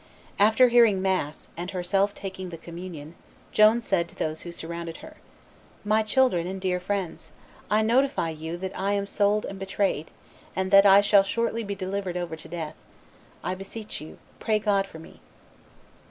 After hearing mass, and herself taking the communion, Joan said to those who surrounded her, "My children and dear friends, I notify you that I am sold and betrayed, and that I shall shortly be delivered over to death; I beseech you, pray God for me."